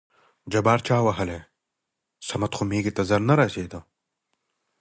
جبار: چا وهلى؟ صمد خو مېږي ته زر نه رسېده.